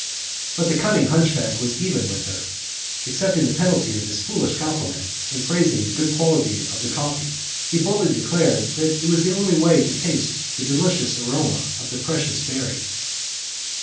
But the cunning hunchback was even with her; accepting the penalty of his foolish compliment, and praising the good quality of the coffee, he boldly declared that it was the only way to taste the delicious aroma of the precious berry.